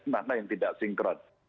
mana yang tidak sinkron